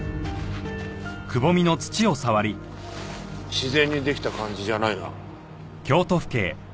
自然に出来た感じじゃないな。